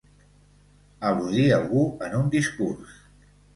Al·ludir algú en un discurs.